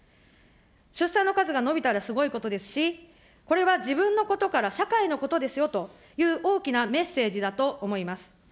出産の数が伸びたらすごいことですし、これは自分のことから社会のことですよという大きなメッセージだと思います。